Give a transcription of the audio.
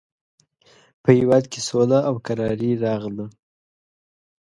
په هېواد کې سوله او کراري راغله.